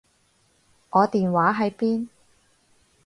我電話喺邊？